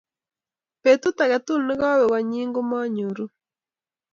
betut age tugul nekowe kotnyin, ko moonyoru